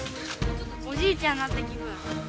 おじいちゃんになった気分。